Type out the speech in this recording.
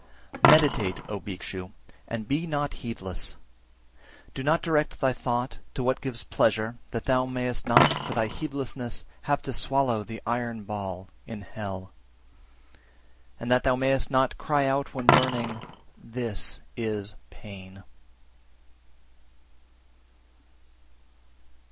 371. Meditate, O Bhikshu, and be not heedless! Do not direct thy thought to what gives pleasure that thou mayest not for thy heedlessness have to swallow the iron ball (in hell), and that thou mayest not cry out when burning, `This is pain.'